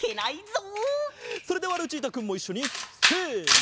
それではルチータくんもいっしょにせの。